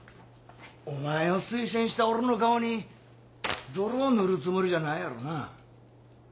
お前を推薦した俺の顔に泥を塗るつもりじゃないやろな！？